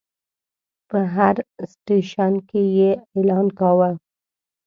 په هر سټیشن کې یې اعلان کاوه.